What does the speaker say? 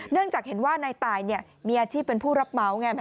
เนื่องจากเห็นว่านายตายมีอาชีพเป็นผู้รับเหมาไง